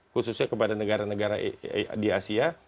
khususnya kepada negara negara di asia